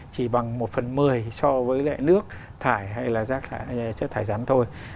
chỉ bằng một phần mười so với lại nước thải hay là chất thải rắn thôi